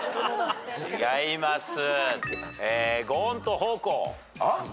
違います。